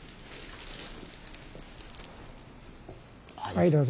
はいどうぞ。